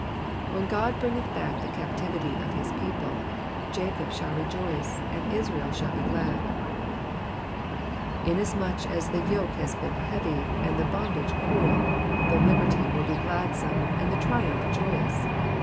^^When Qod hringeth bach the captivity of his people^ Jacob shall rejoice^ and Israel shall be glad.'*'* Inasmuch as the yoke has been heavy, and the bondage cruel, the liberty will be gladsome, and the triumph joyous.